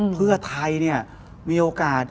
เพื่อไทยมีโอกาส